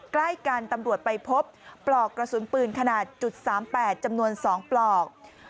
ใกล้กันตำรวจไปพบปลอกกระสุนปืนขนาด๓๘จำนวน๒ปลอก